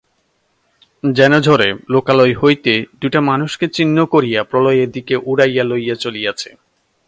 যেন ঝড়ে লোকালয় হইতে দুইটা মানুষকে ছিন্ন করিয়া প্রলয়ের দিকে উড়াইয়া লইয়া চলিয়াছে।